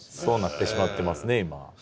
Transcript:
そうなってしまってますね